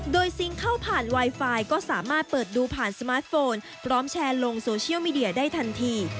โดยซิงค์เข้าผ่านไวไฟก็สามารถเปิดดูผ่านสมาร์ทโฟนพร้อมแชร์ลงโซเชียลมีเดียได้ทันที